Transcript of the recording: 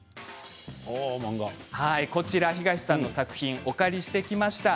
こちら、東さんの作品お借りしてきました。